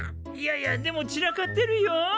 いやいやでも散らかってるよ？